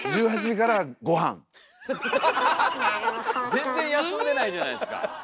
全然休んでないじゃないですか。